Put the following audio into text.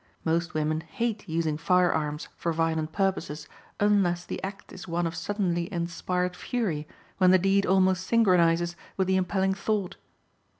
Most women hate using firearms for violent purposes unless the act is one of suddenly inspired fury when the deed almost synchronizes with the impelling thought.